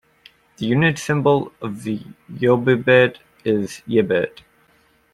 The unit symbol of the yobibit is Yibit.